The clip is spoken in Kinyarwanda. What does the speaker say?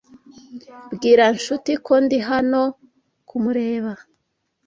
Bwira Nshuti ko ndi hano kumureba.